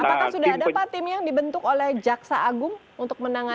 apakah sudah ada pak tim yang dibentuk oleh jaksa agung untuk menangani